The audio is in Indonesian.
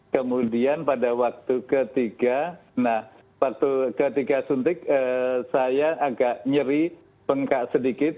kemudian pada waktu ketiga nah waktu ketiga suntik saya agak nyeri bengkak sedikit